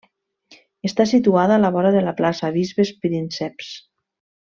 Està situada a la vora de la Plaça Bisbes Prínceps.